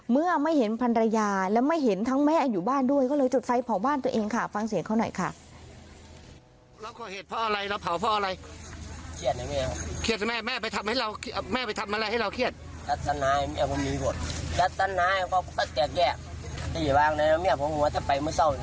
เมื่อไม่เห็นพันรยาและไม่เห็นทั้งแม่อยู่บ้านด้วยก็เลยจุดไฟเผาบ้านตัวเองค่ะฟังเสียงเขาหน่อยค่ะ